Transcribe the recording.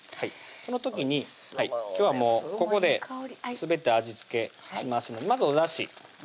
その時に今日はもうここですべて味付けしますのでまずおだし先生の